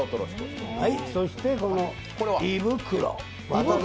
そして、胃袋。